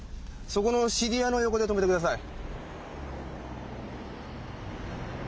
そこのＣＤ屋の横で止めてください。